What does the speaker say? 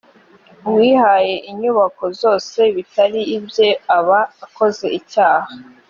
uwihaye inyubako zose bitari ibye aba akoze icyaha